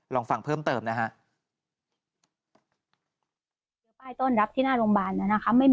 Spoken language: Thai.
ลองฟังเพิ่มเติมนะฮะ